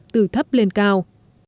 từ thấp lên cao